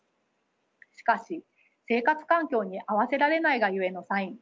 しかし生活環境に合わせられないがゆえのサイン